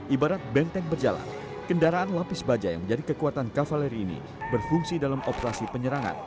ibarat benteng berjalan kendaraan lapis baja yang menjadi kekuatan kavaleri ini berfungsi dalam operasi penyerangan